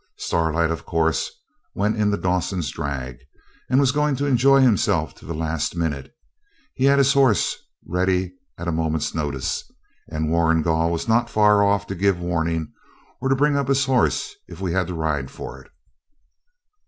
Starlight, of course, went in the Dawsons' drag, and was going to enjoy himself to the last minute. He had his horse ready at a moment's notice, and Warrigal was not far off to give warning, or to bring up his horse if we had to ride for it.